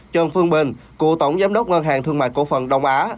trần phương bình cựu tổng giám đốc ngân hàng thương mại cổ phần đông á